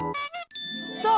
そう！